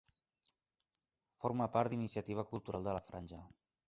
Forma part d'Iniciativa Cultural de la Franja.